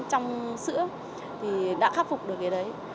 trong sữa thì đã khắc phục được cái đấy